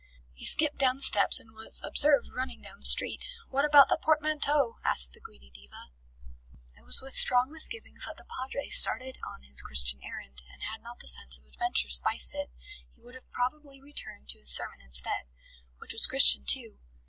He skipped down the steps and was observed running down the street. "What about the portmanteau?" asked the greedy Diva. It was with strong misgivings that the Padre started on his Christian errand, and had not the sense of adventure spiced it, he would probably have returned to his sermon instead, which was Christian, too.